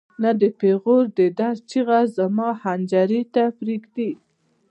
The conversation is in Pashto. نه د پېغور د درد چیغه زما حنجرې ته پرېږدي.